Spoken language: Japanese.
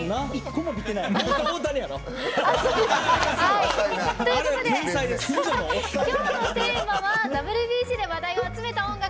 大谷やろ？ということで今日のテーマは「ＷＢＣで話題を集めた音楽」。